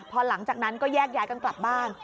พอหลังจากนั้นก็แยกย้ายกันกลับบ้าน